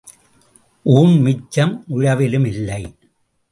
ஊண் மிச்சம் உழவிலும் இல்லை.